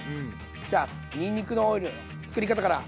じゃあにんにくのオイル作り方から。